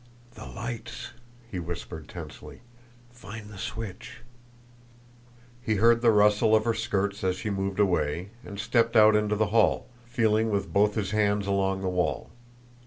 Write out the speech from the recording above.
"The lights!" he whispered tensely. "Find the switch!" He heard the rustle of her skirts as she moved away, and stepped out into the hall, feeling with both his hands along the wall.